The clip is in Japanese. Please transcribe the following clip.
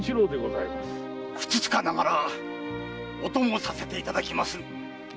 ふつつかながらお供させていただきます。